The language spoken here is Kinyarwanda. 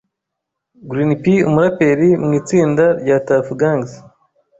Green P umuraperi mu itsinda rya Tuuf Gangz